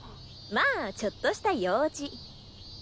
まあちょっとした用事。